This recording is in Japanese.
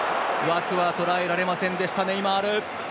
枠は捉えられませんでしたネイマール。